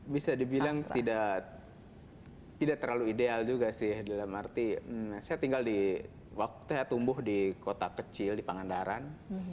bisa dibilang tidak terlalu ideal juga sih dalam arti saya tinggal di waktu saya tumbuh di kota kecil di pangandaran